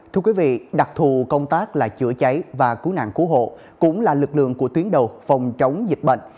thưa quý vị đặc thù công tác là chữa cháy và cứu nạn cứu hộ cũng là lực lượng của tuyến đầu phòng chống dịch bệnh